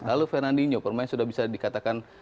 lalu fernandinho pemain sudah bisa dikatakan